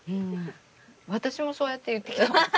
私もそうやって言ってきた。